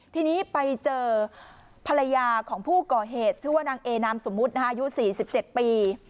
ทีนี้ไปเจอภรรยาของผู้ก่อเหตุชื่อว่านางเอนามสมมุติอายุ๔๗ปี